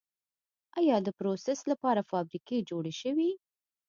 آیا دپروسس لپاره فابریکې جوړې شوي؟